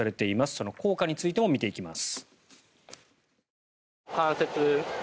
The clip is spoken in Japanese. その効果についても見ていきます。